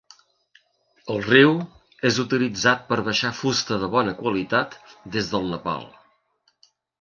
El riu és utilitzat per baixar fusta de bona qualitat des del Nepal.